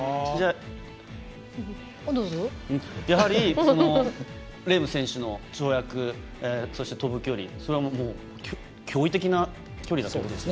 やはり、レーム選手の跳躍とそして跳ぶ距離、それはもう驚異的な距離だと思うんですね。